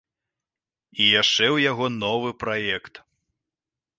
І яшчэ ў яго новы праект.